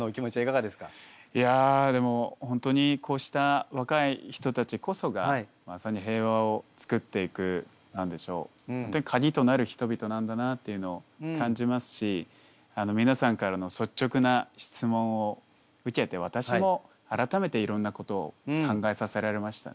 いやでも本当にこうした若い人たちこそがまさに平和を作っていく鍵となる人々なんだなっていうのを感じますし皆さんからの率直な質問を受けて私も改めていろんなことを考えさせられましたね。